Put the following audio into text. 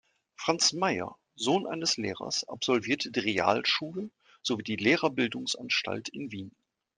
Franz Mair, Sohn eines Lehrers, absolvierte die Realschule sowie die Lehrerbildungsanstalt in Wien.